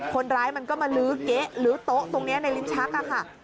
คนร้ายมันก็มาลื้อเก๊ะลื้อโต๊ะตรงนี้ในลิ้นชักค่ะ